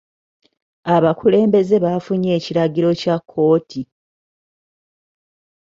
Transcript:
Abakulembeze baafunye ekiragiro kya kkooti.